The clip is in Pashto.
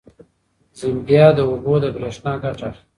زمبیا د اوبو له برېښنا ګټه اخلي.